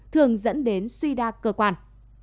thường dẫn đến suy đa cơ quan